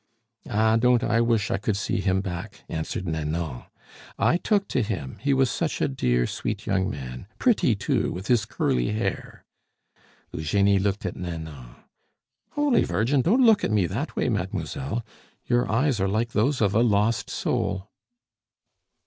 "Ah, don't I wish I could see him back!" answered Nanon. "I took to him! He was such a dear, sweet young man, pretty too, with his curly hair." Eugenie looked at Nanon. "Holy Virgin! don't look at me that way, mademoiselle; your eyes are like those of a lost soul."